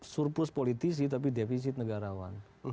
surplus politisi tapi defisit negarawan